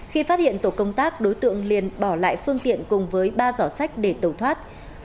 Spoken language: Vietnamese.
khi phát hiện tổ công tác đối tượng liền bỏ lại phương tiện cùng với ba giỏ sách để tẩu thoát